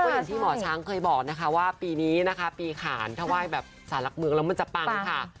อย่างที่หมอช้างเคยบอกนะคะว่าปีนี้นะคะปีขานถ้าไหว้แบบสารหลักเมืองแล้วมันจะปังค่ะ